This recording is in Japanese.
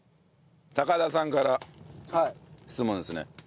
高田さんから質問ですね。